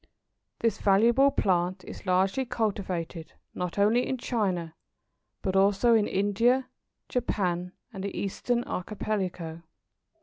This valuable plant is largely cultivated not only in China but also in India, Japan, and the Eastern Archipelago.